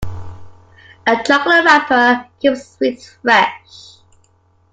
A chocolate wrapper keeps sweets fresh.